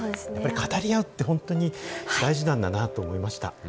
やっぱり語り合うって本当に大事なんだなと思いました。